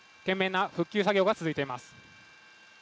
懸命な復旧作業が続いています。